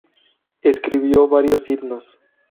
Escribió varios himnos.